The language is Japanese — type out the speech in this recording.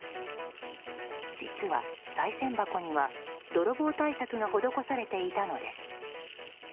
実はさい銭箱には泥棒対策が施されていたのです。